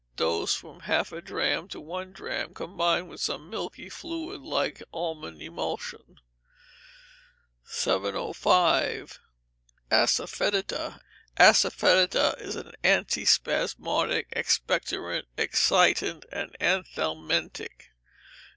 Dose, from half a drachm to one drachm, combined with some milky fluid, like almond emulsion. 705. Asafoetida Asafoetida is an antispasmodic, expectorant, excitant, and anthelmintic.